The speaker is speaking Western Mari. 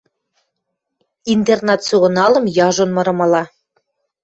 — «Интернационалым» яжон мырымыла.